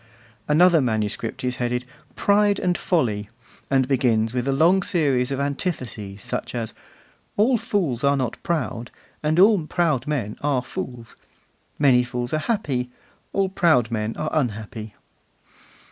Another manuscript is headed 'Pride and Folly,' and begins with a long series of antitheses, such as: 'All fools are not proud, and all proud men are fools. Many fools are happy, all proud men are unhappy.